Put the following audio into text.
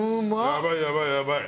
やばいやばいやばい！